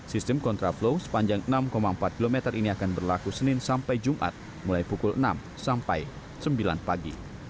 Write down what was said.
sistem kontraflow sepanjang enam empat km ini akan berlaku senin sampai jumat mulai pukul enam sampai sembilan pagi